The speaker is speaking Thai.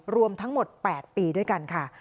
รวมทั้งหมด๘ปีด้วยกันค่ะ